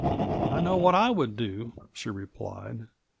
" I know what / would do," she replied.